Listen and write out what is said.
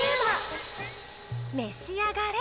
めし上がれ。